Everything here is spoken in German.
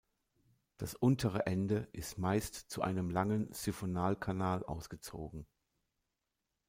Das untere Ende ist meist zu einem langen Siphonalkanal ausgezogen.